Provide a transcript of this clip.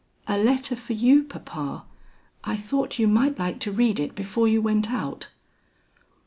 "A letter for you, papa. I thought you might like to read it before you went out."